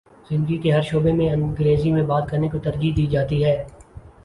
زندگی کے ہر شعبے میں انگریزی میں بات کر نے کو ترجیح دی جاتی ہے